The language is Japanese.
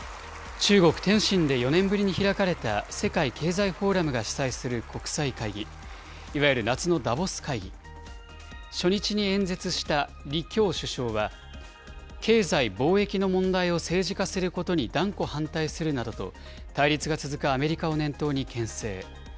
中国の李強首相が、市場開放を進中国・天津で４年ぶりに開かれた世界経済フォーラムが主催する国際会議、いわゆる夏のダボス会議。初日に演説した李強首相は、経済・貿易の問題を政治化することに断固反対するなどと、対立が続くアメリカを念頭にけん制。